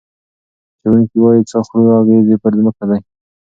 څېړونکي وايي، څه خورو، اغېز یې پر ځمکه دی.